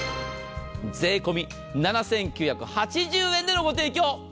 税込み７９８０円でのご提供。